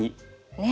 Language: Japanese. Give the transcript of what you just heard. ねえ。